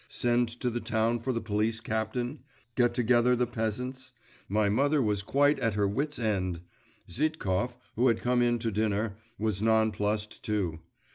Send to the town for the police captain? Get together the peasants? My mother was quite at her wits' end. Zhitkov, who had come in to dinner, was nonplussed too.